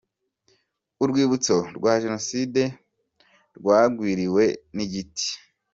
Urwibutso rwa jenoside rwagwiriwe n’igiti